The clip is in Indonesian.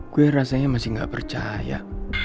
gue rasanya masih gak percaya